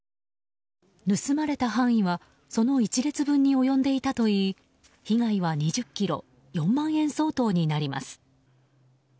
盗まれた範囲はその１列分に及んでいたといい被害は２０ｋｇ、４万円相当になります。